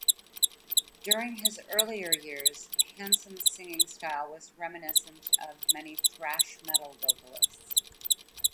During his earlier years Hansen's singing style was reminiscent of many thrash metal vocalists.